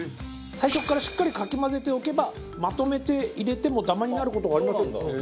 最初からしっかりかき混ぜておけばまとめて入れてもダマになる事がありません。